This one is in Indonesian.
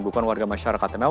bukan warga masyarakat